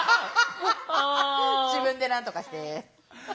「自分でなんとかして」。